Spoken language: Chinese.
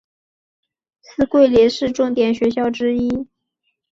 是桂林市重点中学之一。